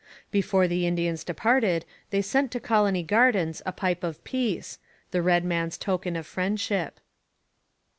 Before the Indians departed they sent to Colony Gardens a pipe of peace the red man's token of friendship.